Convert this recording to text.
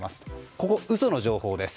ここ、嘘の情報です。